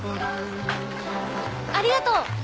ありがとう！